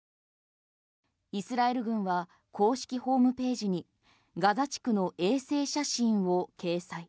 イスラエル軍は公式ホームページにガザ地区の衛星写真を掲載。